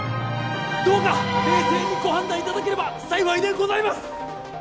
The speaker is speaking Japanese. どうか冷静にご判断いただければ幸いでございます！